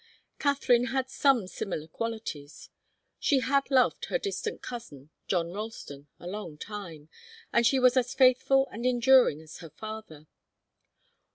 Katharine had some similar qualities. She had loved her distant cousin, John Ralston, a long time, and she was as faithful and enduring as her father.